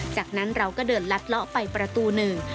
จากนั้นเราก็เดินลัดเลาะไปประตูหนึ่ง